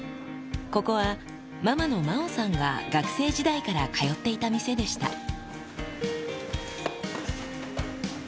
ここはママの麻央さんが、学生時代から通っていた店でした。